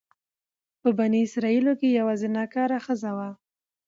په بني اسرائيلو کي يوه زناکاره ښځه وه،